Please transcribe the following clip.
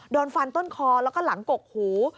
โดนฟันต้นคอแล้วก็หลังกกหู